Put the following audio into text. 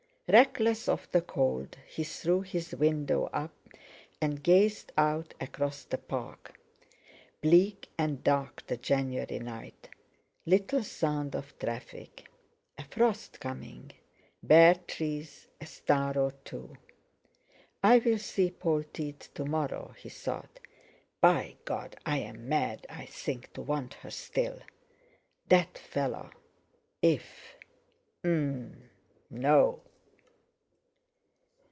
Reckless of the cold, he threw his window up and gazed out across the Park. Bleak and dark the January night; little sound of traffic; a frost coming; bare trees; a star or two. "I'll see Polteed to morrow," he thought. "By God! I'm mad, I think, to want her still. That fellow! If...? Um! No!"